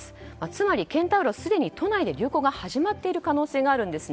つまり、ケンタウロスは都内ですでに流行が始まっている可能性があるんです。